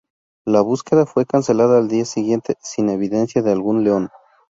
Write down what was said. La búsqueda fue cancelada al día siguiente sin evidencia de algún león.